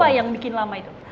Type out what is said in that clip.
apa yang bikin lama itu